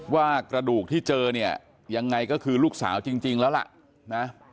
ว่ากระดูกที่เจอเนี่ยยังไงก็คือลูกสาวจริงแล้วล่ะนะ